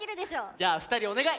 じゃあ２人お願い。